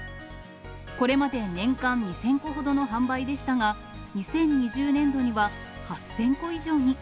これまで年間２０００個ほどの販売でしたが、２０２０年度には８０００個以上に。